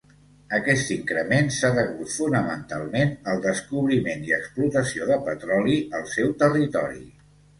Aquest increment s'ha degut fonamentalment al descobriment i explotació de petroli al seu territori.